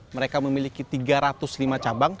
mereka memiliki tiga ratus lima cabang